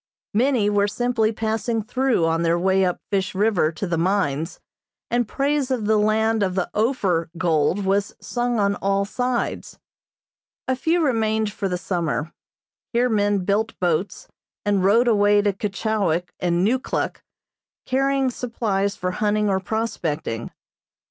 Many were simply passing through on their way up Fish River to the mines, and praise of the land of the "Ophir" gold was sung on all sides. A few remained for the summer. Here men built boats, and rowed away to Keechawik and Neukluk, carrying supplies for hunting or prospecting.